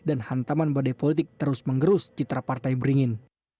dan hantaman badai politik terus mengerus citra partai beringin